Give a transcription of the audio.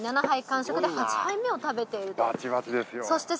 ７杯完食で８杯目を食べているという。